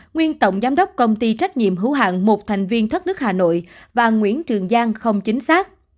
nguyên tổng giám đốc công ty trách nhiệm hữu hạng một thành viên thoát nước hà nội và nguyễn trường giang không chính xác